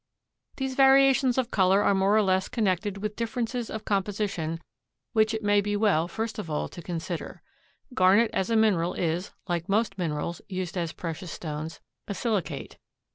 These variations of color are more or less connected with differences of composition which it may be well first of all to consider. Garnet as a mineral is, like most minerals used as precious stones, a silicate.